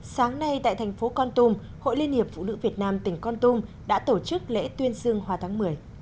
sáng nay tại thành phố con tum hội liên hiệp phụ nữ việt nam tỉnh con tum đã tổ chức lễ tuyên dương hoa tháng một mươi